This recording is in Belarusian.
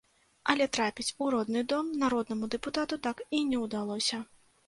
Але трапіць у родны дом народнаму дэпутату так і не ўдалося.